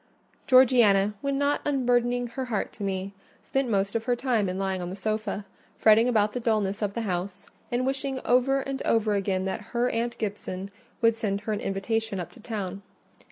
Georgiana, when not unburdening her heart to me, spent most of her time in lying on the sofa, fretting about the dulness of the house, and wishing over and over again that her aunt Gibson would send her an invitation up to town.